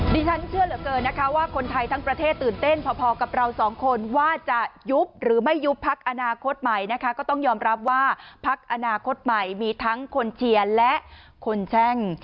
ดิฉันเชื่อเหลือเกินนะคะว่าคนไทยทั้งประเทศตื่นเต้นพอกับเราสองคนว่าจะยุบหรือไม่ยุบพักอนาคตใหม่นะคะก็ต้องยอมรับว่าพักอนาคตใหม่มีทั้งคนเชียร์และคนแช่ง